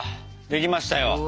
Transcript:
できましたよ！